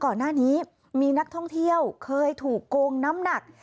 ก่อนหน้านี้มีนักท่องเที่ยวเคยถูกโกงน้ำหนัก